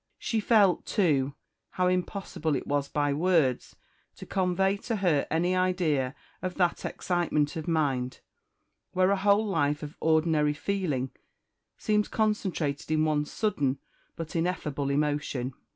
She felt, too, how impossible it was by words to convey to her any idea of that excitement of mind, where a whole life of ordinary feeling seems concentrated in one sudden but ineffable emotion.